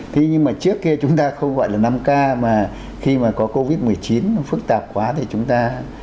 thế nhưng mà trước kia chúng ta không gọi là năm k mà khi mà có covid một mươi chín phức tạp quá thì chúng ta